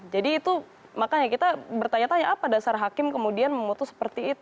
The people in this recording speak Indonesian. jadi itu makanya kita bertanya tanya apa dasar hakim kemudian memutus seperti ini